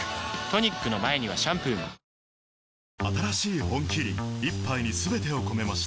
トニックの前にはシャンプーも何してるの？